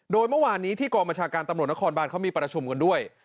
โดยเมื่อวานนี้ที่กองบัญชาการตำรวจนครบานเขามีประชุมกันด้วย